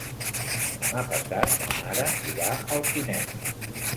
Demà passat na Nara irà al cinema.